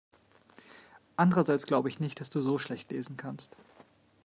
Andererseits glaube ich nicht, dass du so schlecht lesen kannst.